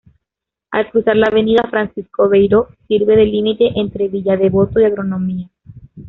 Al cruzar la Avenida Francisco Beiró sirve de límite entre Villa Devoto y Agronomía.